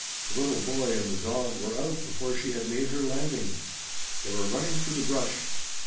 The little boy and the dog were out before she had made her landing. They were running through the brush.